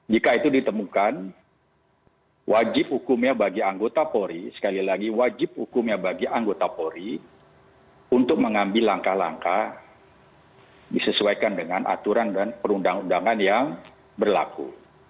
jika itu ditemukan wajib hukumnya bagi anggota polri sekali lagi wajib hukumnya bagi anggota polri untuk mengambil langkah langkah disesuaikan dengan aturan dan perundang undangan yang berlaku